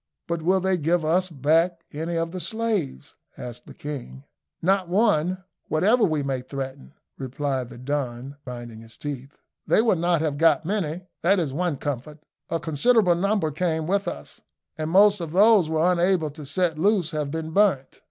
"But will they give us back any of the slaves?" asked the king. "Not one whatever we may threaten," replied the Don, grinding his teeth. "They will not have got many, that is one comfort. A considerable number came with us, and most of those we were unable to set loose have been burnt.